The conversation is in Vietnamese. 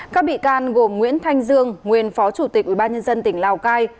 các bị can gồm nguyễn thanh dương nguyên phó chủ tịch ubnd tỉnh lào cai